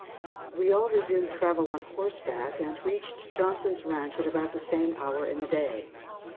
We all resumed travel on horseback and reached Johnson's Ranch about the same hour in the day.